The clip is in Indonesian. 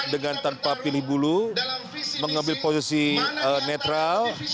dengan tanpa pilih bulu mengambil posisi netral